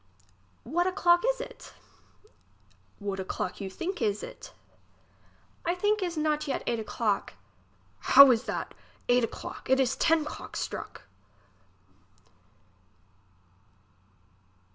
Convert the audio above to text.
What o'clock is it ? What o'clock you think is it ? I think is not yet eight o'clock. How is that, eight 'clock ! it is ten 'clock stnick.